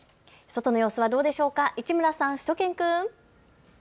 外の様子はどうでしょうか、市村さん、しゅと犬くん。